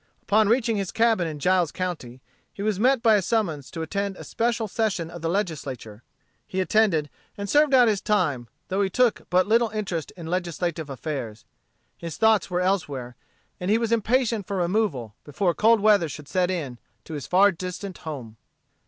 Upon reaching his cabin in Giles County, he was met by a summons to attend a special session of the Legislature. He attended, and served out his time, though he took but little interest in legislative affairs. His thoughts were elsewhere, and he was impatient for removal, before cold weather should set in, to his far distant home.